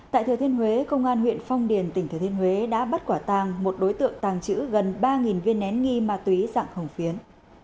tại thừa thiên huế công an huyện phong điền tỉnh thừa thiên huế đã bắt quả tàng một đối tượng tàng trữ gần ba viên nén nghi ma túy dạng hồng phiến